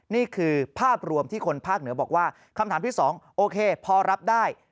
นี่คือภาพรวมที่คนภาคเหนือบอกว่าคำถามที่๒โอเคพอรับได้